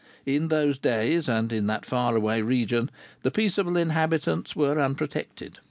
In those days, and in that far away region, the peaceable inhabitants were unprotected.